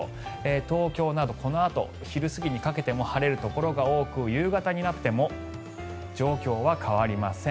東京などこのあと昼過ぎにかけても晴れるところが多く夕方になっても状況は変わりません。